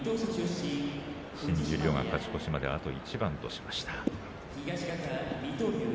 新十両、勝ち越しまであと一番としました。